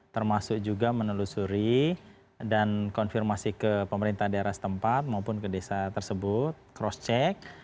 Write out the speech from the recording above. termasuk juga menelusuri dan konfirmasi ke pemerintah daerah setempat maupun ke desa tersebut cross check